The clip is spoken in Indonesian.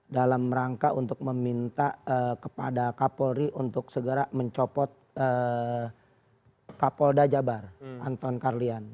dalam rangka untuk meminta kepada kapolri untuk segera mencopot kapolda jabar anton karlian